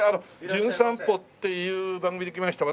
『じゅん散歩』っていう番組で来ました